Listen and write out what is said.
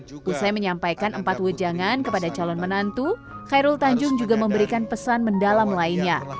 usai menyampaikan empat wejangan kepada calon menantu khairul tanjung juga memberikan pesan mendalam lainnya